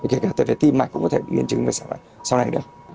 kể cả tổn thương tim mạch cũng có thể biến chứng về sau này được